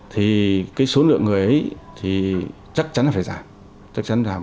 thì cái số lượng người ấy thì chắc chắn là phải giảm